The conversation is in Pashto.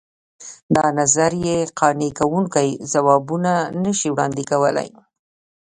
دا نظریې قانع کوونکي ځوابونه نه شي وړاندې کولای.